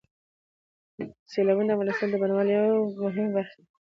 سیلابونه د افغانستان د بڼوالۍ یوه مهمه برخه ده.